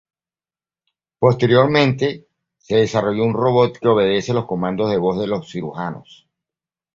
Posteriormente, se desarrolló un robot que obedece los comandos de voz de los cirujanos.